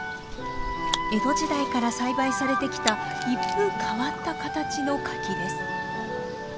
江戸時代から栽培されてきた一風変わった形の柿です。